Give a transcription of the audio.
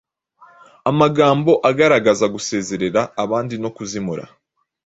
Amagambo agaragaza gusesereza abandi no kuzimura,